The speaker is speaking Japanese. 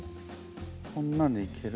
こんなんでいける？